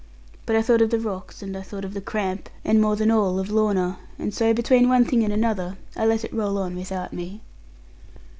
But I thought of the rocks, and I thought of the cramp, and more than all, of Lorna; and so, between one thing and another, I let it roll on without me.